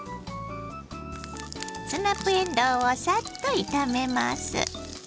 スナップえんどうをサッと炒めます。